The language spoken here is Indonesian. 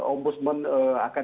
om budsman akan